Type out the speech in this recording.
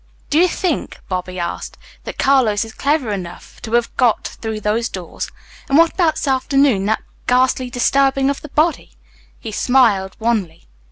"Do you think," Bobby asked, "that Carlos is clever enough to have got through those doors? And what about this afternoon that ghastly disturbing of the body?" He smiled wanly.